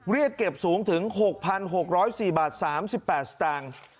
เรียกเก็บสูงถึงหกพันหกร้อยสี่บาทสามสิบแปดสตางค์